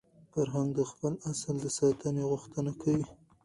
فرهنګ د خپل اصل د ساتني غوښتنه کوي.